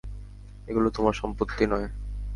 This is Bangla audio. এগুলো তোমার সম্পত্তি নয়।